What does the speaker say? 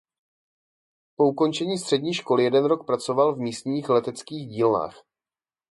Po ukončení střední školy jeden rok pracoval v místních leteckých dílnách.